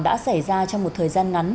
kinh hoàng đã xảy ra trong một thời gian ngắn